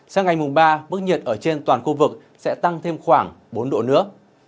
sang ngày mùng ba bức nhiệt ở trên toàn khu vực sẽ tăng thêm khoảng bốn độ nữa